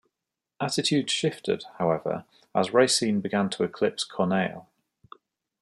Attitudes shifted, however, as Racine began to eclipse Corneille.